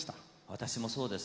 私もそうです。